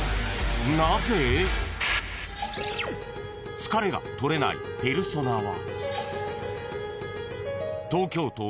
［疲れが取れないペルソナは］